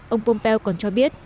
ông pompeo còn cho biết